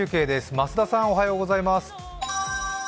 増田さん、おはようございます。